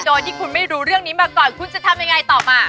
โดยที่คุณไม่รู้เรื่องนี้มาก่อนคุณจะทำยังไงต่อมา